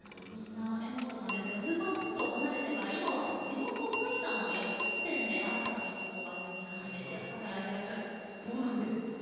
榎本さんはスーパー銭湯を離れてから今は地元埼玉の焼き肉店で新たな道を歩み始めて働いていらっしゃるそうなんです。